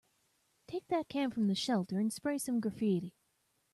Take that can from the shelter and spray some graffiti.